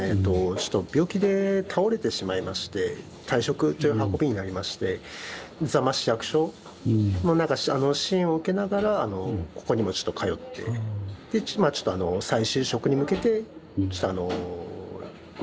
ちょっと病気で倒れてしまいまして退職っていう運びになりまして座間市役所の支援を受けながらここにもちょっと通ってちょっと再就職に向けてちょっとあの探しているという状態ですね。